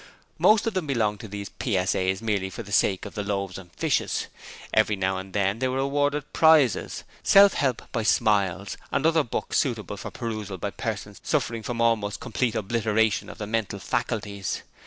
Most of them belonged to these PSAs merely for the sake of the loaves and fishes. Every now and then they were awarded prizes Self help by Smiles, and other books suitable for perusal by persons suffering from almost complete obliteration of the mental faculties.